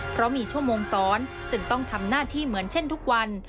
เพราะมีชั่วโมงสอนจึงต้องทำหน้าที่เหมือนเช่นทุกวัน